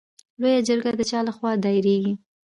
لویه جرګه د چا له خوا دایریږي؟